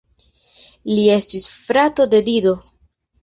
Li estis frato de Dido.